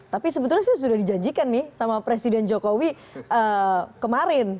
tapi sebetulnya sih sudah dijanjikan nih sama presiden jokowi kemarin